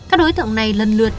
các đối tượng này lân lượt